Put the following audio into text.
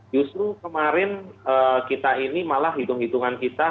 justru kemarin kita ini malah hitung hitungan kita